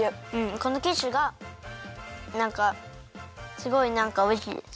このキッシュがなんかすごいなんかおいしいです。